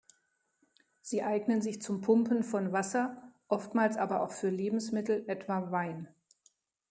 Sie eignen sich zum Pumpen von Wasser, oftmals aber auch für Lebensmittel, etwa Wein.